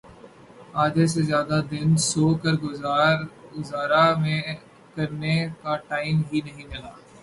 آدھے سے زیادہ دن سو کر گزارا مس کرنے کا ٹائم ہی نہیں ملا